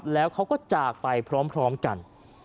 แล้วเขาก็จากไปพร้อมกัน